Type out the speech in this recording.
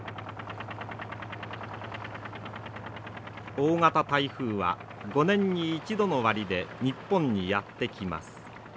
大型台風は５年に一度の割で日本にやって来ます。